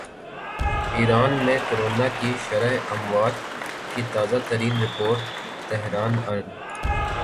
ایران میں کرونا کی شرح اموات کی تازہ ترین رپورٹ تہران ارن